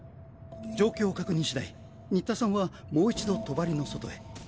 状況を確認しだい新田さんはもう一度帳の外へ。